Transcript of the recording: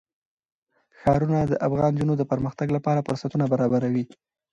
ښارونه د افغان نجونو د پرمختګ لپاره فرصتونه برابروي.